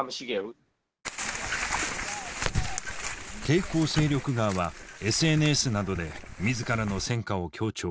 抵抗勢力側はＳＮＳなどで自らの戦果を強調。